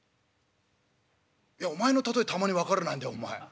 「いやお前のたとえたまに分からないんだよお前。